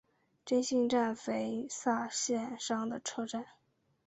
真幸站肥萨线上的车站。